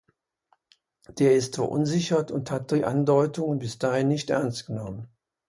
Der ist verunsichert und hat die Andeutungen bis dahin nicht ernst genommen.